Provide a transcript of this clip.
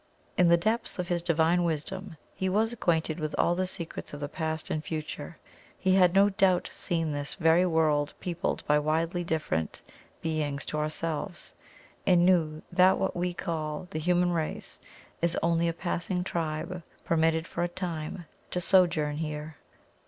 In the depths of His Divine wisdom He was acquainted with all the secrets of the Past and Future; He had no doubt seen this very world peopled by widely different beings to ourselves, and knew that what we call the human race is only a passing tribe permitted for a time to sojourn here.